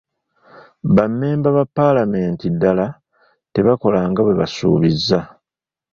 Ba mmemba ba paalamenti ddala tebakola nga bwe baasuubiza.